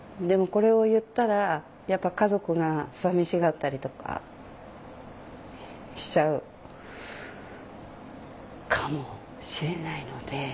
でもこれを言ったらやっぱ家族が寂しがったりとかしちゃうかもしれないので。